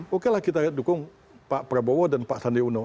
bukannya kita hanya mendukung pak prabowo dan pak sandiaga uno